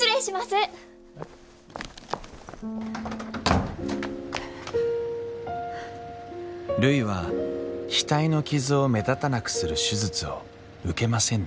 るいは額の傷を目立たなくする手術を受けませんでした。